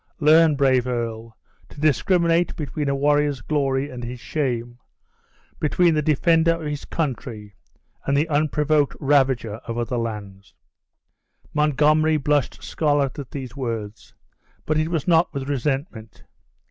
Learn, brave earl, to discriminate between a warrior's glory and his shame; between the defender of his country, and the unprovoked ravager of other lands." Montgomery blushed scarlet at these words; but it was not with resentment.